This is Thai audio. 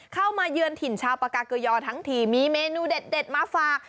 มาเยือนถิ่นชาวปากาเกยอทั้งทีมีเมนูเด็ดมาฝาก